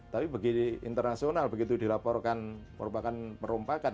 tapi bagi internasional begitu dilaporkan merupakan perumpakan